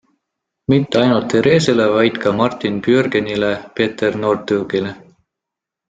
Mitte ainult Theresele, vaid ka Marit Björgenile, Petter Northugile.